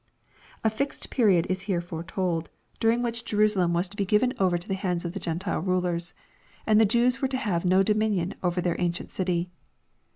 A fixed period is here foretold, during which Jerusalem LUKE, CHAP. XXT 371 was to be given over into the hands of Gentile rulers, and the Jews were to have no dominion overtheir ancient city.